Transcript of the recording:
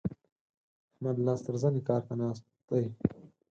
احمد لاس تر زنې کار ته ناست دی.